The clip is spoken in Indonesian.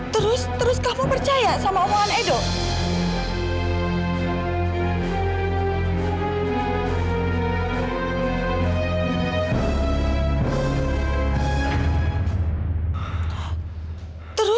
terus teruskah kamu percaya sama omongan edo